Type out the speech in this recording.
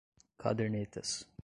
cadernetas